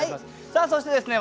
さあそしてですね